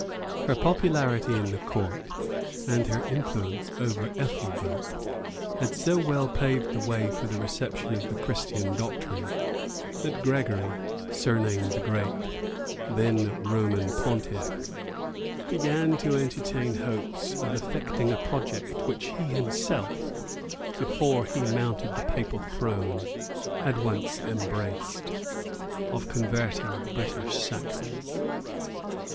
Her popularity in the court, and her influence over Ethelbert, had so well paved the way for the reception of the Christian doctrine, that Gregory, surnamed the Great, then Roman pontiff, began to entertain hopes of effecting a project which lie himself, before he mounted the papal throne, had once embraced, of converting the British Saxons.